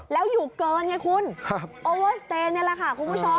แล้วอยู่เกินไงคุณโอเวอร์สเตย์นี่แหละค่ะคุณผู้ชม